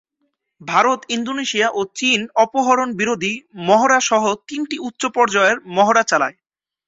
Bharat, Indonesia ও চীন অপহরণ বিরোধী মহড়া সহ তিনটি উচ্চ পর্যায়ের মহড়া চালায়।